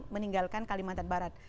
meninggalkan kalimantan barat